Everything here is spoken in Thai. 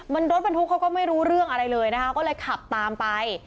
มันรถบรรทุกเขาก็ไม่รู้เรื่องอะไรเลยนะคะก็เลยขับตามไป